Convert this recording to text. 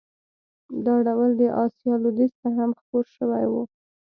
دا ډول د اسیا لوېدیځ ته هم خپور شوی و.